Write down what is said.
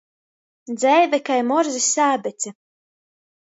Dzeive kai Morzys ābece.